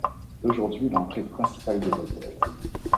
C'est aujourd'hui l'entrée principale de l'hôtel.